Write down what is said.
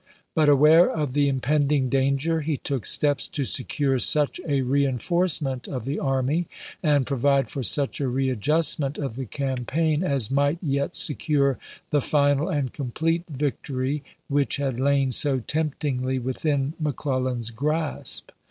But aware of the impending danger, he took steps to secure such a reenforce ment of the army, and provide for such a readjust ment of the campaign, as might yet secure the final and complete victory which had lain so temptingly within McClellan's grasp.